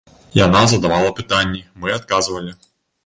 Яна задавала пытанні, мы адказвалі.